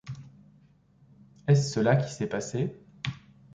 Est-ce cela qui s’est passé ?